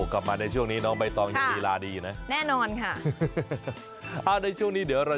วกลับมาในช่วงนี้น้องใบตองอย่างฮีลาดีนะแน่นอนค่ะซึ่งอ่านี่ช่วงนี้เดี๋ยวเรา